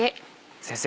先生